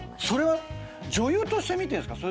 それは女優として見てる？